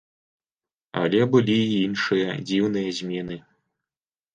Але былі і іншыя дзіўныя змены.